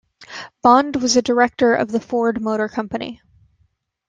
Bond was a director of the Ford Motor Company.